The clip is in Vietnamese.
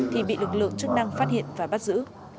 thì bị lực lượng chức năng phát hiện và bắt giữ